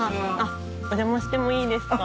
お邪魔してもいいですか？